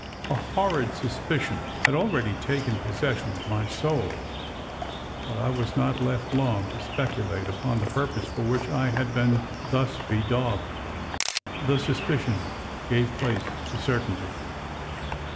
A horrid suspicion had already taken possession of my soul; but I was not left long to speculate upon the purpose for which I had been thus bedaubed: the suspicion gave place to certainty.